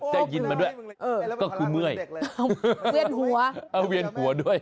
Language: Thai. ได้ยินมาด้วยก็คือเมื่อยเวียนหัวเอาเวียนหัวด้วย